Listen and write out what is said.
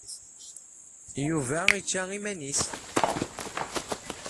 Yuba yečča i yiman-nnes.